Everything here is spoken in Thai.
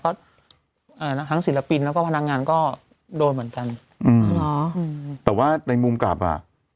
ก็เอ่อทั้งศิลปินแล้วก็พนักงานก็โดนเหมือนกันอืมแต่ว่าในมุมกลับอ่ะ